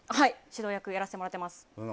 指導役をやらせてもらってます。